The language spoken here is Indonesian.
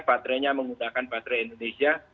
baterainya menggunakan baterai indonesia